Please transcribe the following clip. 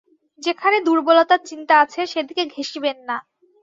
যেখানে দুর্বলতার চিন্তা আছে, সেদিকে ঘেঁষিবেন না।